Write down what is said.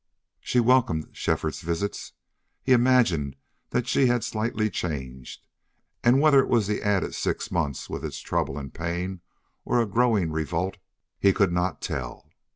She welcomed Shefford's visits. He imagined that she had slightly changed, and whether it was the added six months with its trouble and pain or a growing revolt he could not tell.